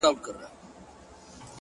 باور د هڅې لومړی قدم دی!